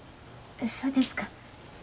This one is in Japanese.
そうですか。